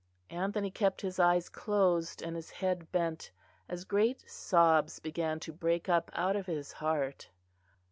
Anthony kept his eyes closed, and his head bent, as great sobs began to break up out of his heart....